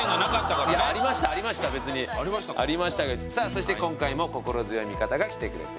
そして今回も心強い味方が来てくれております。